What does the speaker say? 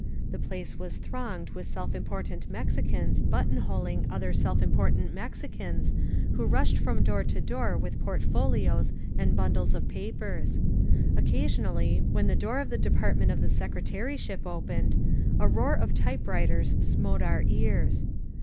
The place was thronged with self important Mexicans button holing other self important Mexicans who rushed from door to door with portfolios and bundles of papers. Occasionally, when the door of the De partment of the Secretaryship opened, a roar of type writers smote our ears.